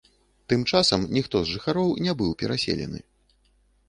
Тым часам ніхто з жыхароў не быў пераселены.